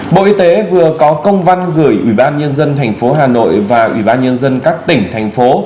bộ y tế vừa có công văn gửi ủy ban nhân dân thành phố hà nội và ủy ban nhân dân các tỉnh thành phố